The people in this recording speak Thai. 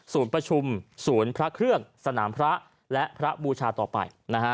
ประชุมศูนย์พระเครื่องสนามพระและพระบูชาต่อไป